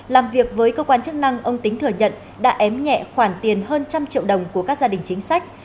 làm việc với cơ quan chức năng ông tính thừa nhận đã ém nhẹ khoản tiền hơn trăm triệu đồng của các gia đình chính sách